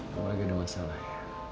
kalau lagi ada masalah ya